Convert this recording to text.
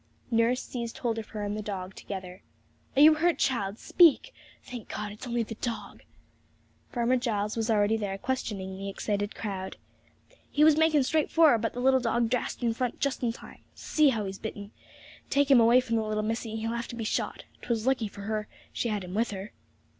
Nurse seized hold of her and the dog together. 'Are you hurt, child? Speak! Thank God, it's only the dog!' Farmer Giles was already there, questioning the excited crowd. 'He was making straight for her, but the little dog dashed in front just in time. See how he's bitten! Take him away from the little missy; he'll have to be shot! 'Twas lucky for her she had him with her!'